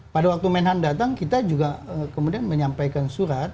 pada waktu menhan datang kita juga kemudian menyampaikan surat